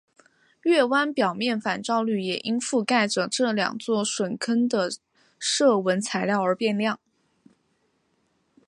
月湾表面反照率也因覆盖着这两座陨坑的射纹材料而变亮。